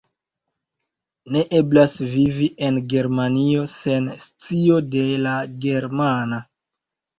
Ne eblas vivi en Germanio sen scio de la germana!